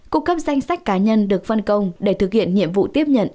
cung cấp danh sách cá nhân được phân công để thực hiện nhiệm vụ tiếp nhận